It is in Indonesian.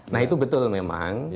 nah itu betul memang